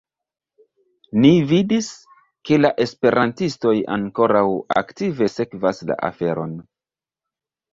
Ni vidis, ke la esperantistoj ankoraŭ aktive sekvas la aferon.